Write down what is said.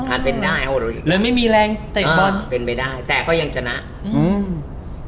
อาจเป็นได้โอ้โหเลยไม่มีแรงเตะบอลเป็นไปได้แต่เขายังจะนะอืม